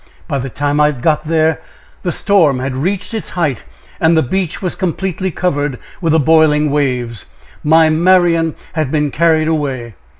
By the time I had got there the storm had reached its height, and the beach was completely covered with the boiling waves. My Marian had been carried away.